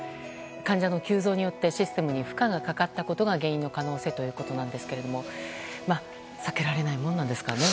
患者の急増によってシステムに負荷がかかったことが原因の可能性ということですが避けられないものなんですかね。